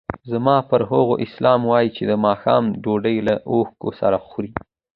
زما پر هغو سلام وایه چې د ماښام ډوډۍ له اوښکو سره خوري.